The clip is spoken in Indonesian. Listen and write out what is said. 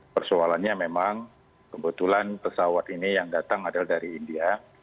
persoalannya memang kebetulan pesawat ini yang datang adalah dari india